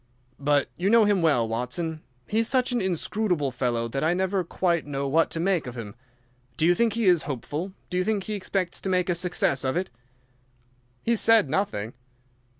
"But you know him well, Watson. He is such an inscrutable fellow that I never quite know what to make of him. Do you think he is hopeful? Do you think he expects to make a success of it?" "He has said nothing."